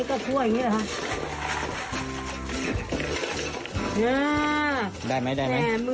ต้องขึ้นตรงใบต่อใบ